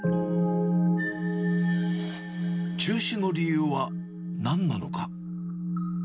中止の理由はなんなのか。